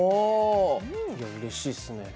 うれしいですね。